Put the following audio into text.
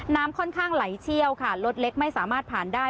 น้ำค่อนข้างไหลเชี่ยวค่ะรถเล็กไม่สามารถผ่านได้